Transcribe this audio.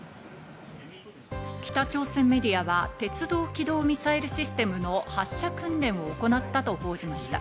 北朝鮮メディアは鉄道機動ミサイルシステムの発射訓練を行ったと報じました。